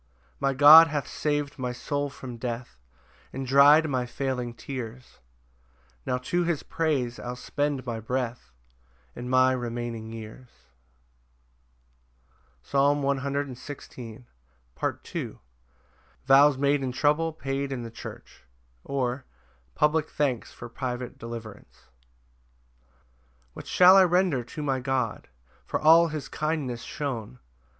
6 My God hath sav'd my soul from death, And dry'd my failing tears; Now to his praise I'll spend my breath, And my remaining years. Psalm 116:2. 12 &c. Second Part. Vows made in trouble paid in the church; or, Public thanks for private deliverance. 1 What shall I render to my God For all his kindness shown?